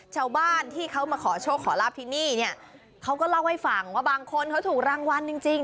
ชาวบ้านที่เขามาขอโชคขอลาบที่นี่เนี่ยเขาก็เล่าให้ฟังว่าบางคนเขาถูกรางวัลจริงจริง